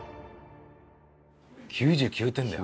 ９９点だよ。